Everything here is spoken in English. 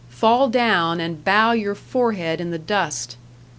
Fall down and bow your forehead in the dust!